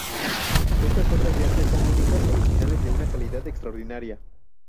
Estas obras de arte son únicas, originales, de una calidad extraordinaria.